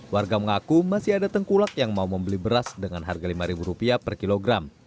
warga mengaku masih ada tengkulak yang mau membeli beras dengan harga rp lima per kilogram